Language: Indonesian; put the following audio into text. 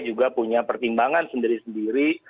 juga punya pertimbangan sendiri sendiri